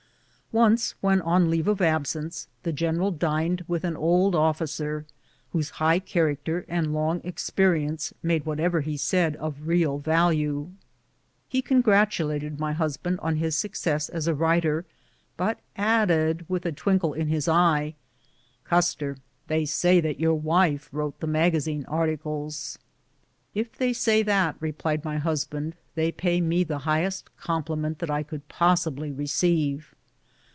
Once, when on leave of absence, the general dined with an old officer, whose high character and long ex perience made whatever he said of real value. He con gratulated my husband on his success as a writer, but added, with a twinkle in his eye, " Custer, they say that your wife wrote the magazine articles." " If they say that," replied my husband, " they pay me the highest compliment that I could possibly receive."